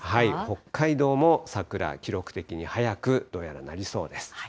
北海道も桜、記録的に早く、どうやらなりそうです。